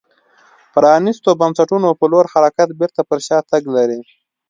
پرانیستو بنسټونو په لور حرکت بېرته پر شا تګ لري